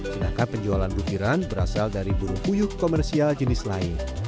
sedangkan penjualan butiran berasal dari burung puyuh komersial jenis lain